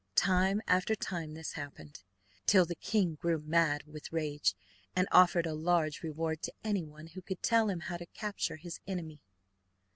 Time after time this happened, till the king grew mad with rage, and offered a large reward to anyone who could tell him how to capture his enemy.